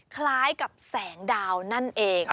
คล้ายกับแสงดาวนั่นเอง